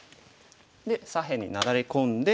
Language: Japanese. で左辺になだれ込んで。